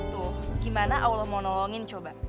tuh gimana allah mau nolongin coba